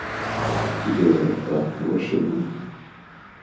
Еўропа, вось і мы.